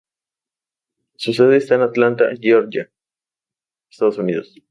Su sede está en Atlanta, Georgia, Estados Unidos.